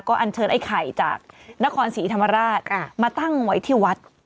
อันเชิญไอ้ไข่จากนครศรีธรรมราชมาตั้งไว้ที่วัด